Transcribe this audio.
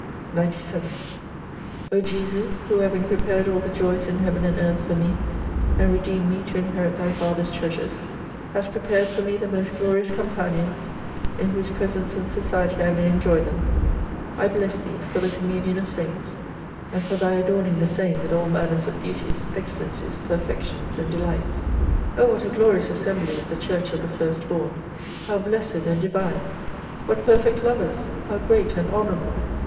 74 97 O Jesu, who having prepared all the joys in heaven and earth for me, and redeemed me to inherit Thy Father's treasures ; hast prepared for me the most glorious companions, in whose presence and society I may enjoy them : I bless Thee for the communion of Saints : and for Thy adorning the same, with all manner of beauties, excellencies, perfections, and de lights. O what a glorious assembly is the Church of the first born, how blessed and divine ! "What perfect lovers ! How great and honorable